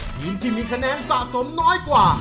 ทีมที่มีคะแนนสะสมน้อยกว่า